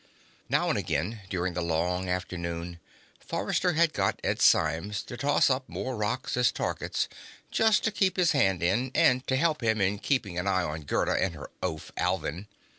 Now and again during the long afternoon, Forrester had got Ed Symes to toss up more rocks as targets, just to keep his hand in and to help him in keeping an eye on Gerda and her oaf, Alvin.